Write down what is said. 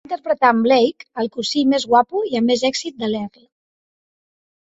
Va interpretar a en Blake, el cosí més guapo i amb més èxit de l'Earl.